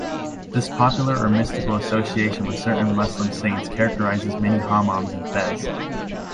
This popular or mystical association with certain Muslim saints characterizes many hammams in Fez.